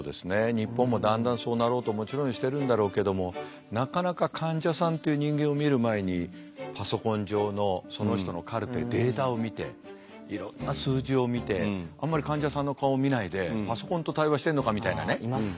日本もだんだんそうなろうともちろんしてるんだろうけどもなかなか患者さんっていう人間を見る前にパソコン上のその人のカルテデータを見ていろんな数字を見てあんまり患者さんの顔を見ないでパソコンと対話してんのかみたいなね。あいます。